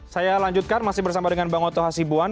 saya lanjutkan masih bersama dengan bang oto hasibuan